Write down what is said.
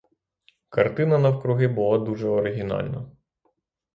Картина навкруги була дуже оригінальна.